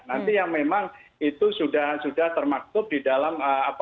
nanti yang memang itu sudah termasuk di dalam apa namanya